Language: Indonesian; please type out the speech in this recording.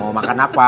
mau makan apa